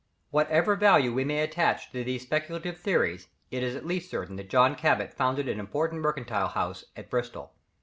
Whatever value we may attach to these speculative theories, it is at least certain that John Cabot founded an important mercantile house at Bristol.